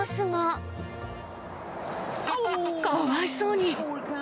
かわいそうに。